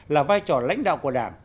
là vai trò lãnh đạo của đảng